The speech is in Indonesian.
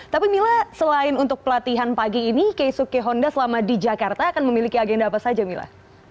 tapi mila selain untuk pelatihan pagi ini keisuke honda selama di jakarta akan memiliki agenda apa saja mila